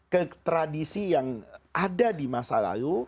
ke tradisi yang ada di masa lalu